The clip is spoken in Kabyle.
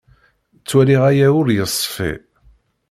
Ttwaliɣ aya ur yeṣfi.